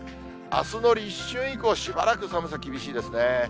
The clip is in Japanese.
あすの立春以降、しばらく寒さ厳しいですね。